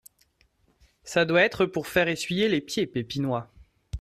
Ca doit être pour faire essuyer les pieds Pépinois.